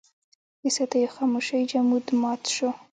د صدېو خاموشۍ جمود مات شو.